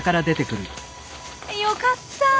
よかった。